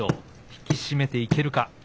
引き締めていけるか？